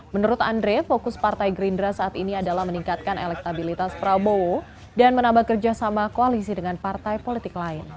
menurut andre fokus partai gerindra saat ini adalah meningkatkan elektabilitas prabowo dan menambah kerjasama koalisi dengan partai politik lain